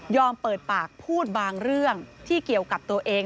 เปิดปากพูดบางเรื่องที่เกี่ยวกับตัวเอง